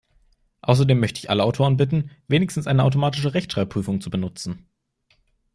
Außerdem möchte ich alle Autoren bitten, wenigstens eine automatische Rechtschreibprüfung zu benutzen.